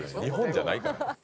日本じゃないから。